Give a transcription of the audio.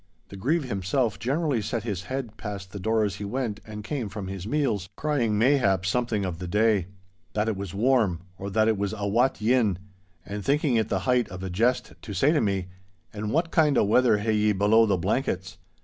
The Grieve himself generally set his head past the door as he went and came from his meals, crying mayhap something of the day—that 'it was warm,' or that it was 'a wat yin,' and thinking it the height of a jest to say to me, 'An' what kind o' weather hae ye below the blankets?